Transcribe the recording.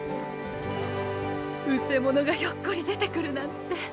うせものがひょっこり出てくるなんて。